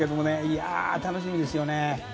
いやあ、楽しみですよね。